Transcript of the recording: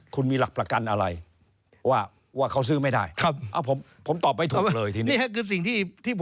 คุณมีหลักประกันอะไร